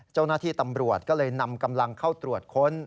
เจ้าหน้าที่ตำรวจก็เลยนำกำลังเข้าตรวจค้น